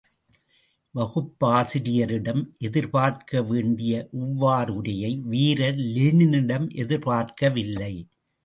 வகுப்பாசிரியரிடம் எதிர்பார்க்க வேண்டிய இவ்வறவுரையை வீரர் லெனினிடம் எதிர்பார்க்கவில்லை.